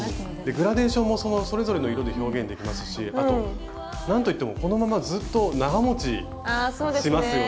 グラデーションもそれぞれの色で表現できますしあとなんといってもこのままずっと長もちしますよね。